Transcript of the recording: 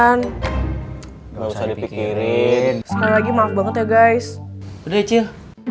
enggak usah dipikirin sekali lagi maaf banget ya guys udah ya cil